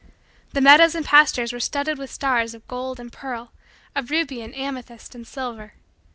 The meadows and pastures were studded with stars of gold and pearl, of ruby and amethyst and silver.